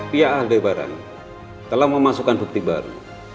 pihak ahli barang telah memasukkan bukti baru